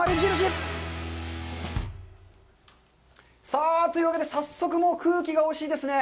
さあ、というわけで早速もう空気がおいしいですね。